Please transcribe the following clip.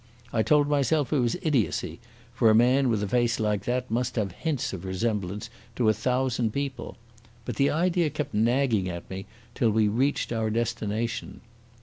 I told myself it was idiocy, for a man with a face like that must have hints of resemblance to a thousand people. But the idea kept nagging at me till we reached our destination.